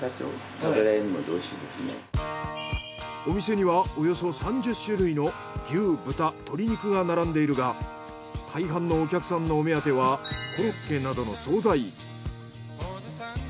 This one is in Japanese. お店にはおよそ３０種類の牛豚鶏肉が並んでいるが大半のお客さんのお目当てはコロッケなどの惣菜。